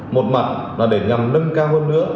một mặt là để nhằm nâng cao hơn nữa